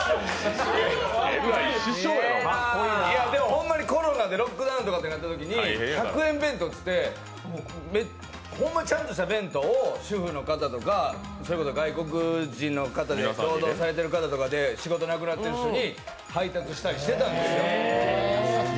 ほんまにコロナでロックダウンってなったときに、１００円弁当っていってホンマにちゃんとした弁当を主婦の方とか、それこそ外国人の方労働されてる方とか、仕事なくなってる人に配達したりしてたんですよ。